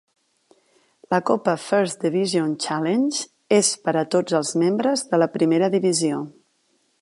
La copa First Division Challenge és per a tots els membres de la primera divisió.